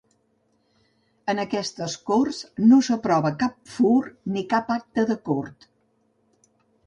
En aquestes Corts no s'aprova cap fur ni cap acte de Cort.